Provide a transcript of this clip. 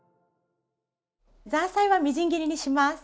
ザーサイはみじん切りにします。